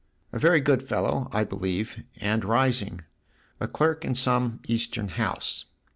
" A very good fellow, I believe and ' rising ': a clerk in some Eastern house."